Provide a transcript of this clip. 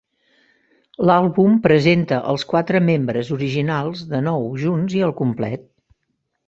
L'àlbum presenta els quatre membres originals de nou junts i al complet.